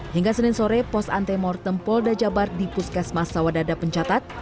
hingga senin sore pos antemortem polda jabar di puskesmas sawadadada pencatat